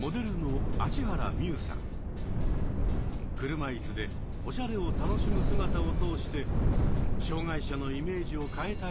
車いすでおしゃれを楽しむ姿を通して障害者のイメージを変えたいと活動しています。